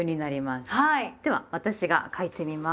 では私が書いてみます。